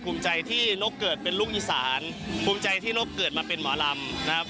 ภูมิใจที่นกเกิดเป็นลูกอีสานภูมิใจที่นกเกิดมาเป็นหมอลำนะครับ